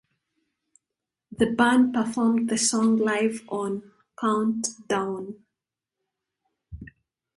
The band performed the song live on "Countdown".